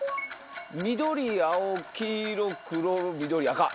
緑青黄色黒緑赤。